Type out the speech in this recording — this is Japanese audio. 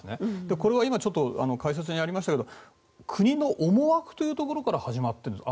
これは今、解説にありましたが国の思惑というところから始まっているんですか。